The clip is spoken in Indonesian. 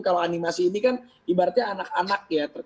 kalau animasi ini kan ibaratnya anak anak ya